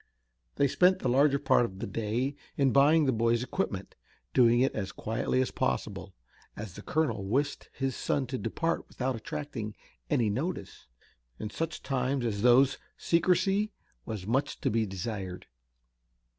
They spent the larger part of that day in buying the boy's equipment, doing it as quietly as possible, as the colonel wished his son to depart without attracting any notice. In such times as those secrecy was much to be desired.